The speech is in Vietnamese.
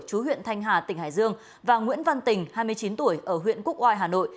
chú huyện thanh hà tỉnh hải dương và nguyễn văn tình hai mươi chín tuổi ở huyện quốc oai hà nội